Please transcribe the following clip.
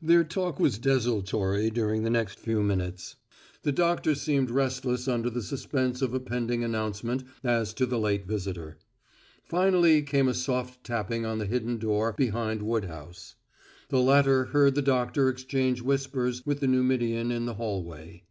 Their talk was desultory during the next minutes. The doctor seemed restless under the suspense of a pending announcement as to the late visitor. Finally came a soft tapping on the hidden door behind Woodhouse. The latter heard the doctor exchange whispers with the Numidian in the hallway.